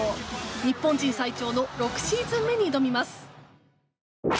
日本人最長の６シーズン目に挑みます。